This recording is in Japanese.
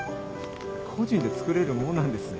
個人で作れるもんなんですね。